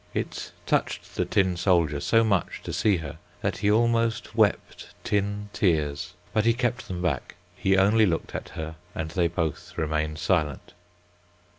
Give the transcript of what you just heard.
It touched the tin soldier so much to see her that he almost wept tin tears, but he kept them back. He only looked at her and they both remained silent.